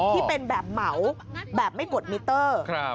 ที่เป็นแบบเหมาแบบไม่กดมิเตอร์